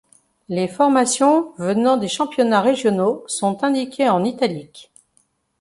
Les formations venant des championnats régionaux sont indiquées en italique.